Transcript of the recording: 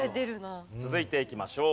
続いていきましょう。